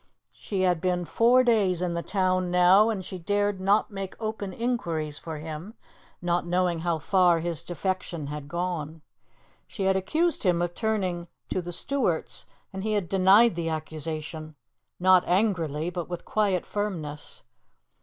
She had been four days in the town now, and she dared not make open inquiries for him, not knowing how far his defection had gone. She had accused him of turning to the Stuarts, and he had denied the accusation, not angrily, but with quiet firmness.